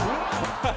ハハハハ！